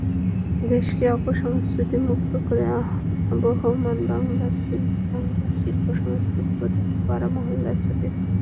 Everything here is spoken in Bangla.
দেশকে অপসংস্কৃতি মুক্ত করে আবহমান বাংলার বাংলা শিল্প–সংস্কৃতি প্রতিটা পাড়া–মহল্লায় ছড়িয়ে দিন।